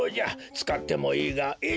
つかってもいいがえい